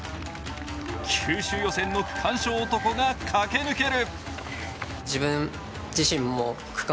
九州予選の区間賞男が駆け抜ける。